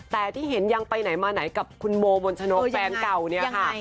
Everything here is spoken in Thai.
แต่ที่เห็นยังไปไหนมาไหนกับคุณโมบนชนกแฟนเก่าเนี่ยค่ะ